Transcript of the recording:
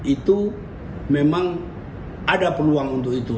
itu memang ada peluang untuk itu